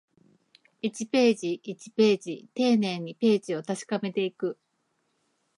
一ページ、一ページ、丁寧にページを確かめていく